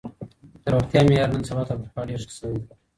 د روغتيا معيار نن سبا تر پخوا ډير ښه سوی دی.